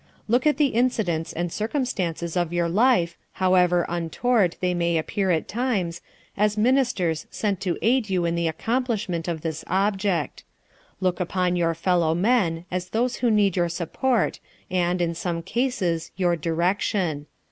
Look at the incidents and circumstances of your life, however untoward they may appear at times, as ministers sent to aid you in the accomplishment of this object. Look upon your fellowmen as those who need your support and, in some cases, your direction.